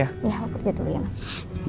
ya aku kerja dulu ya mas